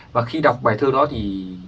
và khi đọc bài thơ đó thì